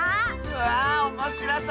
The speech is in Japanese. わあおもしろそう！